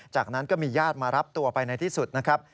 จากนั้นก็มีญาติมารับตัวไปในที่สุดนะครับ